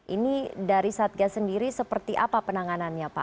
ini dari satgas sendiri seperti apa penanganannya pak